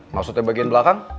maksudnya bagian belakang